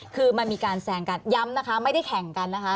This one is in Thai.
คือมันมีการแซงกันย้ำนะคะไม่ได้แข่งกันนะคะ